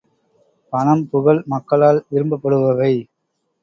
பணம், புகழ் மக்களால் விரும்பப்படுபவை.